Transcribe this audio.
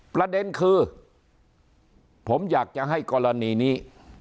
ประเด็นคือผมอยากจะให้กรณีนี้